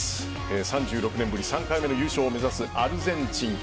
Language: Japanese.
３６年ぶり３回目の優勝を目指すアルゼンチンか。